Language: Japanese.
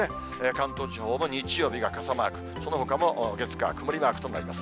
関東地方も日曜日が傘マーク、そのほかも月、火、曇りマークとなります。